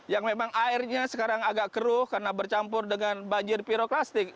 yang memang airnya sekarang agak keruh karena bercampur dengan banjir piroklastik